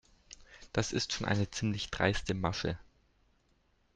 Das ist schon eine ziemlich dreiste Masche.